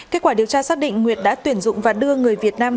kết quả điều tra xác định nguyệt đã tuyển dụng và đưa người việt nam